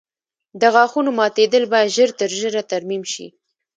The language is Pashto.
د غاښونو ماتېدل باید ژر تر ژره ترمیم شي.